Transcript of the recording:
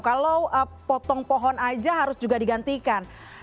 kalau potong pohon aja harus juga digantikan